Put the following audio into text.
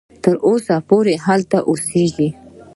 تر اوسه پوري هلته اوسیږي.